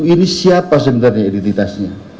ini siapa sebenarnya identitasnya